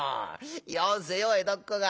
よせよ江戸っ子が。